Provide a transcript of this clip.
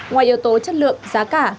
ngoài yếu tố chất lượng giá cả